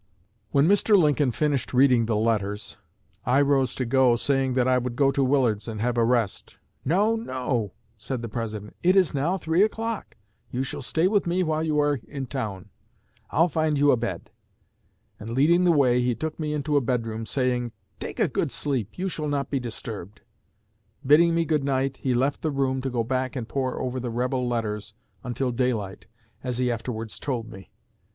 "When Mr. Lincoln finished reading the letters, I rose to go, saying that I would go to Willard's, and have a rest. 'No, no,' said the President, 'it is now three o'clock; you shall stay with me while you are in town; I'll find you a bed'; and leading the way, he took me into a bedroom, saying, 'Take a good sleep; you shall not be disturbed.' Bidding me 'good night,' he left the room to go back and pore over the rebel letters until daylight, as he afterwards told me.